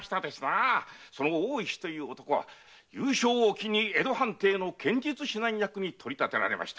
その大石は優勝を機に江戸藩邸の剣術指南役に取り立てられました。